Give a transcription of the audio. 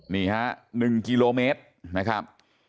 นี่ฮะ๑กิโลเมตรนะครับ